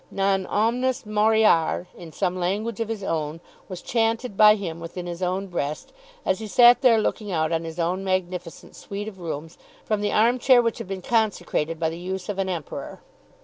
"Non omnis moriar," in some language of his own, was chanted by him within his own breast, as he sat there looking out on his own magnificent suite of rooms from the arm chair which had been consecrated by the use of an Emperor.